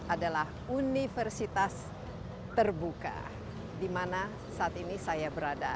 adalah universitas terbuka di mana saat ini saya berada